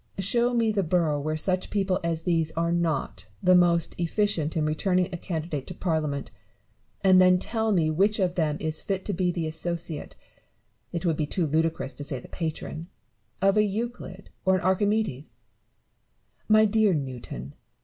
Show me the borough where such people as these are not the most efficient in returning a candidate to Parliament ; and then tell me which of them is fit to be the associate — it would be too ludicrous to say the patron — of a Euclid or an Archimedes 1 My dear Newton